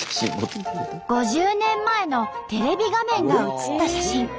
５０年前のテレビ画面が写った写真。